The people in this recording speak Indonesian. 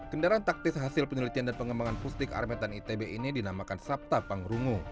kendaraan taktis hasil penelitian dan pengembangan pustik armetan itb ini dinamakan sabta pangrungu